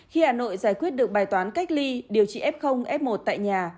khi hà nội giải quyết được bài toán cách ly điều trị f f một tại nhà